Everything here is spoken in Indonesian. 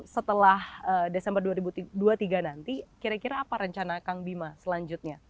setelah desember dua ribu dua puluh tiga nanti kira kira apa rencana kang bima selanjutnya